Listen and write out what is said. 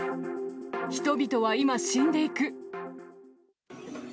人々は今死んでいく。